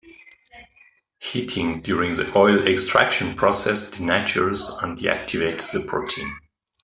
Heating during the oil extraction process denatures and deactivates the protein.